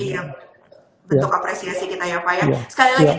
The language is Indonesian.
iya bentuk apresiasi kita ya pak ya